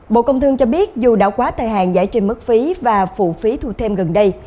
bộ công thương cho biết dù đã quá thời hạn giải trình mức phí và phụ phí thu thêm gần đây